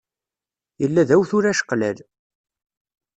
Yella d awtul ačeqlal.